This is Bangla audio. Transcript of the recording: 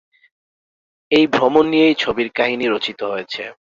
এই ভ্রমণ নিয়েই ছবির কাহিনী রচিত হয়েছে।